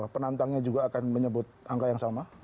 penantangnya juga akan menyebut angka yang sama